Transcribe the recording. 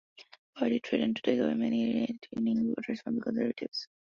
The Party threatened to take away many right leaning voters from the Conservatives.